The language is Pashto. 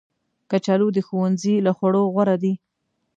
کچالو د ښوونځي له خوړو غوره دي